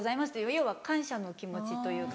要は感謝の気持ちというか。